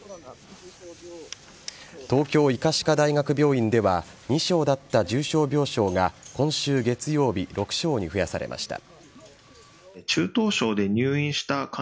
東京医科歯科大学病院では２床だった重症病床が今週月曜日６床に増やされました。